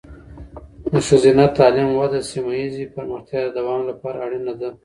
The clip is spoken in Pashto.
د ښځینه تعلیم وده د سیمه ایزې پرمختیا د دوام لپاره اړینه ده.